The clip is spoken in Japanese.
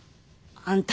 あんた